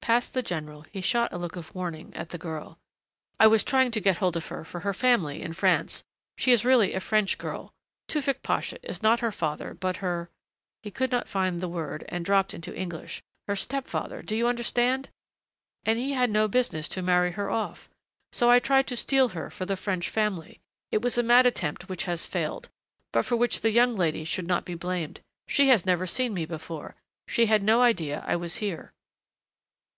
Past the general he shot a look of warning at the girl. "I was trying to get hold of her for her family in France She is really a French girl. Tewfick Pasha is not her father but her " he could not find the word and dropped into English. "Her step father do you understand? And he had no business to marry her off, so I tried to steal her for the French family. It was a mad attempt which has failed but for which the young lady should not be blamed. She had never seen me before. She had no idea I was here."